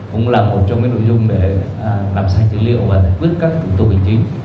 cũng là một trong những nội dung để làm sạch dữ liệu và giải quyết các tù kỳ chính